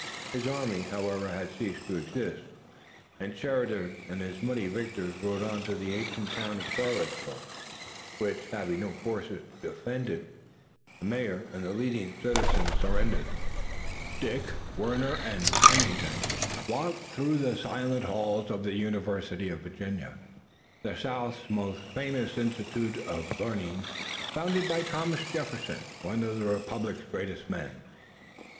His army, however, had ceased to exist, and Sheridan and his muddy victors rode on to the ancient town of Charlottesville, which, having no forces to defend it, the mayor and the leading citizens surrendered. Dick, Warner and Pennington walked through the silent halls of the University of Virginia, the South's most famous institution of learning, founded by Thomas Jefferson, one of the republic's greatest men.